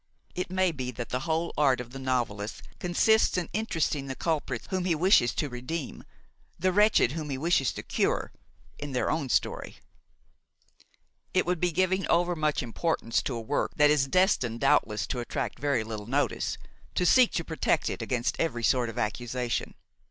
It may be that the whole art of the novelist consists in interesting the culprits whom he wishes to redeem, the wretched whom he wishes to cure, in their own story. It would be giving overmuch importance to a work that is destined doubtless to attract very little notice, to seek to protect it against every sort of accusation.